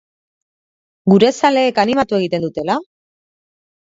Gure zaleek animatu egiten dutela?